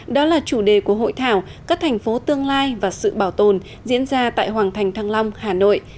đó là chủ đề của hội thảo các thành phố tương lai và sự bảo tồn diễn ra tại hoàng thành thăng long hà nội